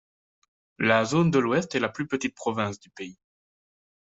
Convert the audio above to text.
La Zone de l'Ouest est la plus petite province du pays.